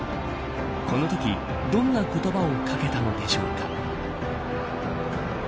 このとき、どんな言葉をかけたのでしょうか。